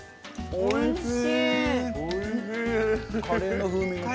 おいしい。